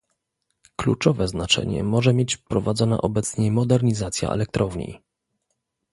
Kluczowe znaczenie może mieć prowadzona obecnie modernizacja elektrowni